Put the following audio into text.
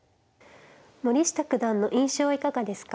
森下九段の印象はいかがですか。